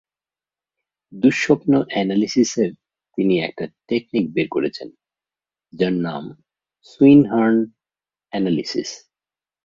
দুঃস্বপ্ন অ্যানালিসিসের তিনি একটা টেকনিক বের করেছেন, যার নাম সুইন হার্ন অ্যানালিসিস।